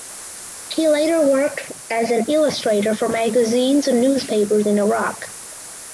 He later worked as an illustrator for magazines and newspapers in Iraq.